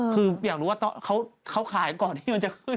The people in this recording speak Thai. คืออยากรู้ว่าเขาขายก่อนที่มันจะขึ้น